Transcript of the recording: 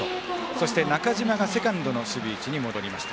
そして、中島がセカンドの守備位置に戻りました。